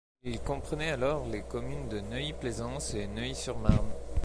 Il comprenait alors les communes de Neuilly-Plaisance et Neuilly-sur-Marne.